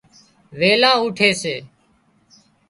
ويلان اُُوٺي سي